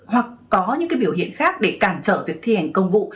hoặc có những biểu hiện khác để cản trở việc thi hành công vụ